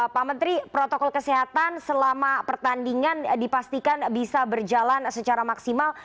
pak menteri protokol kesehatan selama pertandingan dipastikan bisa berjalan secara maksimal